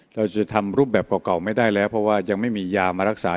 เราจะทำรูปแบบเก่าไม่ได้แล้วเพราะว่ายังไม่มียามารักษา